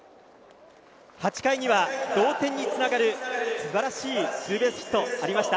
８回には同点につながるすばらしいツーベースヒットがありました。